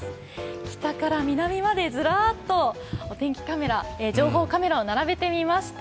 北から南までずらーっとお天気カメラ、情報カメラを並べてみました。